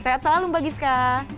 sehat selalu mbak gizka